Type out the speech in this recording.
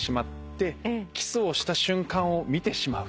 キスをした瞬間を見てしまう。